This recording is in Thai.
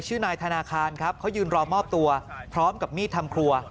ชื่อนายธนาคารครับเขายืนรอมอบตัวพร้อมกับมีดทำครัว